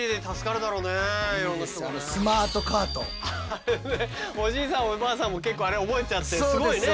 あれねおじいさんもおばあさんも結構あれ覚えちゃってすごいね。